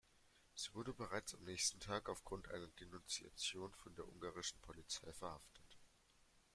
Sie wurde bereits am nächsten Tag aufgrund einer Denunziation von der ungarischen Polizei verhaftet.